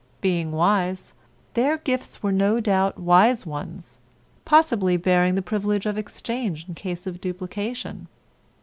Being wise, their gifts were no doubt wise ones, possibly bearing the privilege of exchange in case of duplication.